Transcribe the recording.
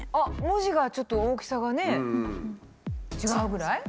文字がちょっと大きさがね違うぐらい？